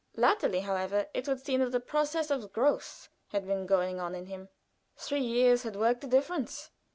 Latterly, however, it would seem that a process of growth had been going on in him. Three years had worked a difference.